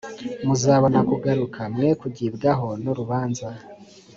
muzabona kugaruka mwe kugibwaho n urubanza